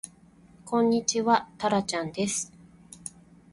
こんにちはたらちゃんです